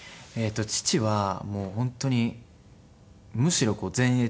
父はもう本当にむしろ前衛的で。